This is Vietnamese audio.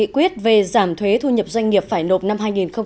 quyết về giảm thuế thu nhập doanh nghiệp phải nộp năm hai nghìn hai mươi